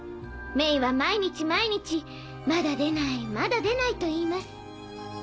メイは毎日毎日まだ出ないまだ出ないといいます。